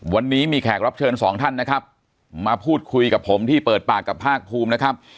วันนี้มีแขกรับเชิญสองท่านนะครับมาพูดคุยกับผมที่เปิดปากกับภาคภูมินะครับ